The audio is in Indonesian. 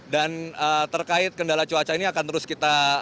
dan terkait kendala cuaca ini akan terus kita lakukan